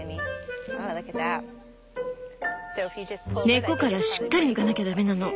根っこからしっかり抜かなきゃダメなの。